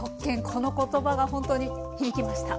この言葉がほんとに響きました。